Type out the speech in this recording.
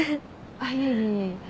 あっいえいえいえ。